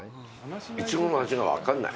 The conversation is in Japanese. イチゴの味が分かんない。